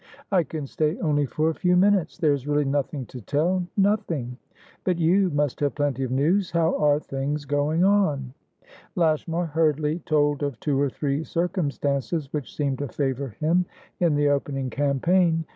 "I can stay only for a few minutes. There's really nothing to tellnothing. But you must have plenty of news. How are things going on?" Lashmar hurriedly told of two or three circumstances which seemed to favour him in the opening campaign.